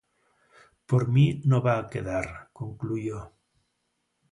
Por mí no va a quedar", concluyó.